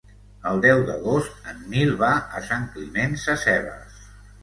El deu d'agost en Nil va a Sant Climent Sescebes.